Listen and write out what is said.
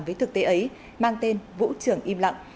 với thực tế ấy mang tên vũ trường im lặng